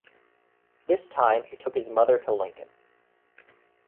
This time he took his mother to Lincoln.